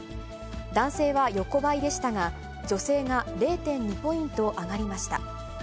男性は横ばいでしたが、女性が０．２ポイント上がりました。